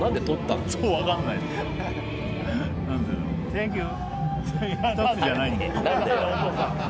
センキュー！